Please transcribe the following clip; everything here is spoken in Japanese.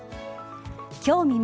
今日未明